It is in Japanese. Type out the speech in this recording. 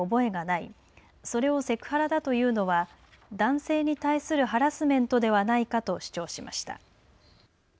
いそれをセクハラだというのは男性に対するハラスメントではないかと主張しました。